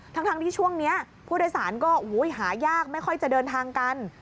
ทั้งที่ช่วงนี้ผู้โดยสารก็หายากไม่ค่อยจะเดินทางกัน